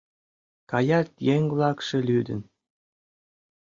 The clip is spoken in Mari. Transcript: Каят еҥ-влакше лӱдын